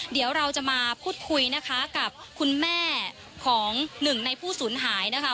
เดี๋ยวเราจะมาพูดคุยนะคะกับคุณแม่ของหนึ่งในผู้สูญหายนะคะ